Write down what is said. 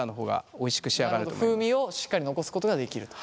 風味をしっかり残すことができると。